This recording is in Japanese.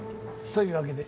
というわけで。